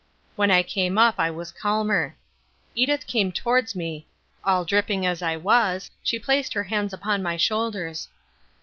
When I came up I was calmer. Edith came towards me; all dripping as I was, she placed her hands upon my shoulders.